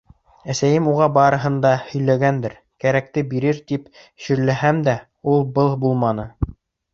Әсәйем уға барыһын да һөйләгәндер, кәрәкте бирер, тип шөрләһәм дә, ул-был булманы.